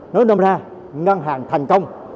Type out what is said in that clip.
nói đồng ra ngân hàng thành công